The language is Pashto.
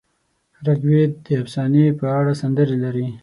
رګ وید د افسانې په اړه سندرې لري.